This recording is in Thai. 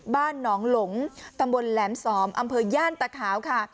บ้านหนองหลงตำบลแหลมสอมอำเภอย่านตะขาวค่ะ